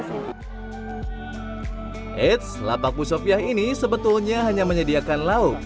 eits lapak bu sofia ini sebetulnya hanya menyediakan lauk